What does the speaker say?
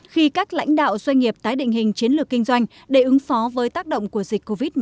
khi các lãnh đạo doanh nghiệp tái định hình chiến lược kinh doanh để ứng phó với tác động của dịch covid một mươi chín